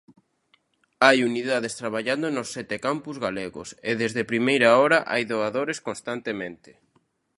Hai unidades traballando nos sete campus galegos, e desde primeira hora hai doadores constantemente.